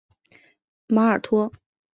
马尔托。